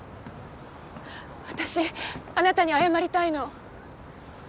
私あなたに謝りたいの。